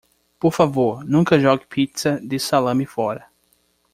Por favor nunca jogue pizza de salame fora.